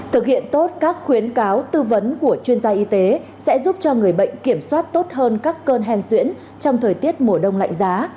thực hiện tốt các khuyến cáo tư vấn của chuyên gia y tế sẽ giúp cho người bệnh kiểm soát tốt hơn các cơn hen xuyễn trong thời tiết mùa đông lạnh giá